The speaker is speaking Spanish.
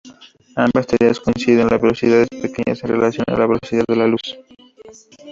Ambas teorías coinciden a velocidades pequeñas en relación a la velocidad de la luz.